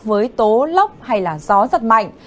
với tố lóc hay gió rất mạnh